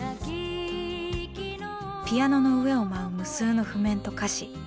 ピアノの上を舞う無数の譜面と歌詞。